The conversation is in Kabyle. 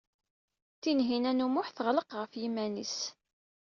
Tinhinan u Muḥ teɣleq ɣef yiman-nnes.